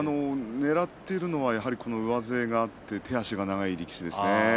ねらっているのは上背があって手足が長い力士ですね。